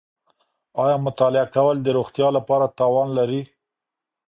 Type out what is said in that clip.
ایا مطالعه کول د روغتیا لپاره تاوان لري؟